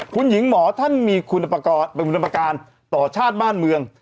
คุณหญิงหมอท่านมีคุณเป็นคุณประการต่อชาติบ้านเมือง